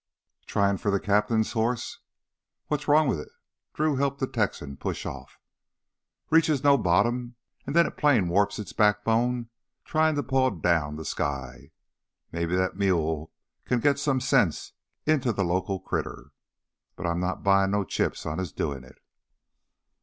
"Tryin' for the cap'n's hoss?" "What's wrong with it?" Drew helped the Texan push off. "Reaches no bottom, an' then it plain warps its backbone tryin' to paw down the sky. Maybe that mule can git some sense into the loco critter. But I'm not buyin' no chips on his doin' it."